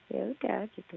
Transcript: ya udah gitu